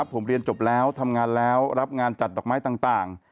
พี่หนุ่มครับผมเรียนจบแล้วทำงานแล้วรับงานจัดดอกไม้ต่าง